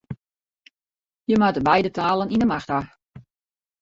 Je moatte beide talen yn 'e macht ha.